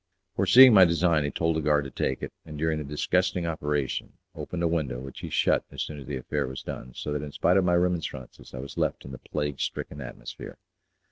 Foreseeing my design, he told a guard to take it, and during the disgusting operation opened a window, which he shut as soon as the affair was done, so that in spite of my remonstrances I was left in the plague stricken atmosphere.